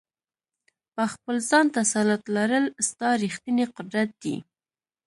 په خپل ځان تسلط لرل ستا ریښتینی قدرت دی.